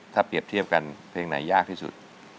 ถ้าเปรียบเทียบกันเพลงไหนยากที่สุด